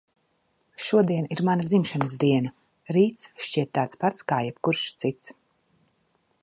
Šodien ir mana dzimšanas diena. Rīts šķiet tāds pats kā jebkurš cits.